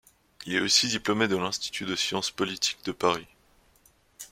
Il est aussi diplômé de l’Institut de Sciences Politiques de Paris.